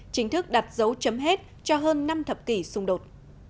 chính thức đặt dấu chấm hết cho hơn năm thập kỷ xung đột